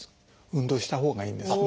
運動したほうがいいんですね。